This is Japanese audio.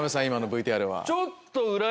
今のＶＴＲは。